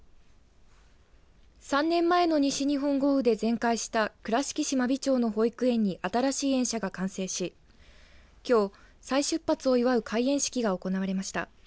３年前の西日本豪雨で全壊した倉敷市真備町の保育園に新しい園舎が完成しきょう再出発を祝う開園式が行われました。